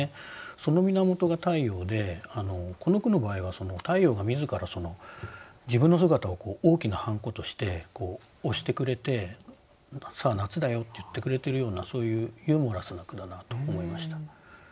その源が太陽でこの句の場合は太陽が自ら自分の姿を大きなハンコとして押してくれて「さあ夏だよ」って言ってくれてるようなそういうユーモラスな句だなと思いました。